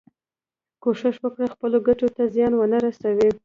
کوښښ وکړه خپلو ګټو ته زیان ونه رسوې.